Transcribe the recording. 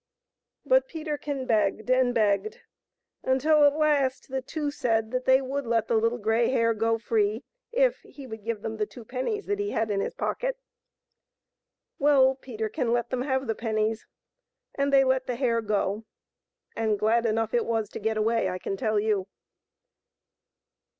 But Peterkin begged and begged, until, at last, the two said that they 178 PETERKIN AND THE LITTLE GREY HARE would let the Little Grey Hare go free if he would give them the two pennies that he had in his pocket. Well, Peterkin let them have the pennies, and they let the hare go, and glad enough it was to get away, I can tell you.